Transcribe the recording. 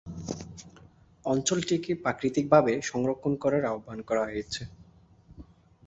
অঞ্চলটিকে প্রাকৃতিকভাবে সংরক্ষণ করার আহ্বান করা হয়েছে।